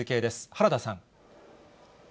原田さん。